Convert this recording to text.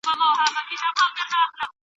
د لیکني برابرول یو هنر دی.